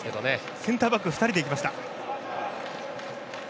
センターバック２人で行きました。